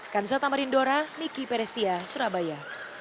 kansota marindora miki peresia surabaya